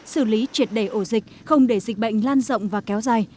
xử lý triệt đề ổ dịch không để dịch bệnh lan rộng và kéo dài